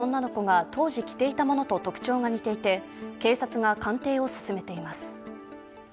服は行方不明の女の子が当時着ていたものと特徴が似ていて警察が鑑定を進めています。